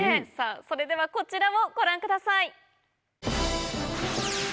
それではこちらをご覧ください。